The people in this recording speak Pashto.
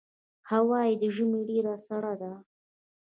هوا یې د ژمي ډېره سړه ده.